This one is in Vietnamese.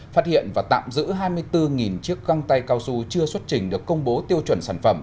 phát hiện và tạm giữ hai mươi bốn chiếc găng tay cao su chưa xuất trình được công bố tiêu chuẩn sản phẩm